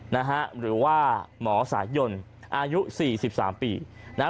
นะฮะหรือว่าหมอสายยนอายุสี่สิบสามปีนะฮะ